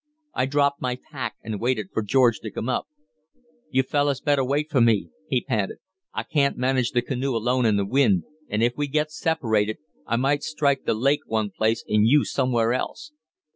I dropped my pack, and waited for George to come up. "You fellus better wait for me," he panted. "I can't manage the canoe alone in the wind, and if we get separated, I might strike the lake one place and you somewhere else.